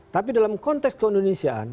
tapi dalam konteks ke indonesiaan